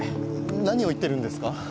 何を言ってるんですか？